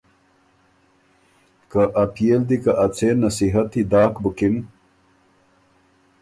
خه ا پئے ل دی که ا څېن نصیحتی داک بُکِن